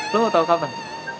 lo mau tau kapan